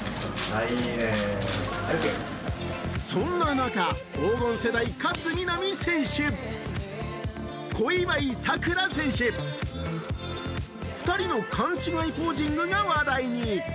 そんな中、黄金世代、勝みなみ選手、小祝さくら選手、２人の勘違いポージングが話題に。